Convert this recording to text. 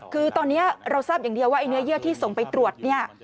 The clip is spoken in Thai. คือตอนนี้เราทราบอย่างเดียวว่าไอเนื้อเยื่อที่ส่งไปตรวจเนี่ย